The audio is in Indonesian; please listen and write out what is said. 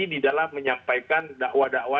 di dalam menyampaikan dakwa dakwa